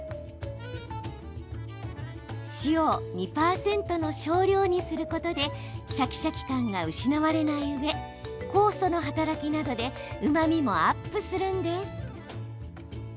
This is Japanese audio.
塩を２％の少量にすることでシャキシャキ感が失われないうえ酵素の働きなどでうまみもアップするんです。